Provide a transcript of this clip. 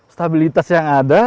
stabilitas yang ada